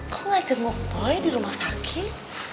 kok gak semua boy di rumah sakit